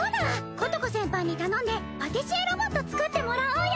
ことこ先輩に頼んでパティシエロボット作ってもらおうよ！